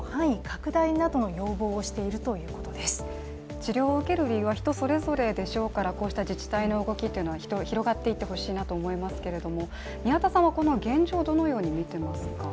治療を受ける理由は人それぞれでしょうからこうした自治体の動きは広がっていってほしいなと思いますけど、宮田さんはこの現状をどのように見ていますか？